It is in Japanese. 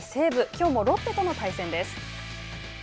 きょうもロッテとの対戦です。